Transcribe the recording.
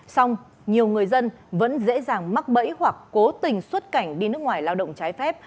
xong nhiều người dân vẫn dễ dàng mắc bẫy hoặc cố tình xuất cảnh đi nước ngoài lao động trái phép